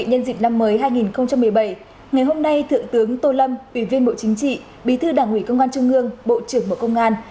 nhân dịp năm mới hai nghìn một mươi bảy ngày hôm nay thượng tướng tô lâm ủy viên bộ chính trị bí thư đảng ủy công an trung ương bộ trưởng bộ công an